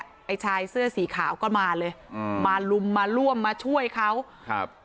ไอ้ชายเสื้อสีขาวก็มาเลยอืมมาลุมมาร่วมมาช่วยเขาครับ